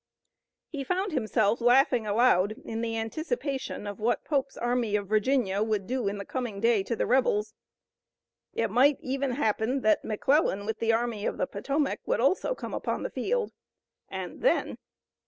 He found himself laughing aloud in the anticipation of what Pope's Army of Virginia would do in the coming day to the rebels. It might even happen that McClellan with the Army of the Potomac would also come upon the field. And then!